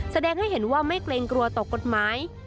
แสดงให้เห็นว่าไม่เกรงกลัวต่อกฎหมาย